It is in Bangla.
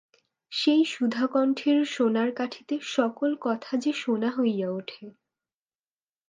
সেই সুধাকণ্ঠের সোনার কাঠিতে সকল কথা যে সোনা হইয়া ওঠে।